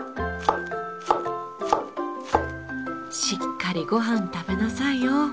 しっかりご飯食べなさいよ。